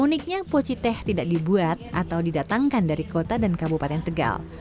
uniknya poci teh tidak dibuat atau didatangkan dari kota dan kabupaten tegal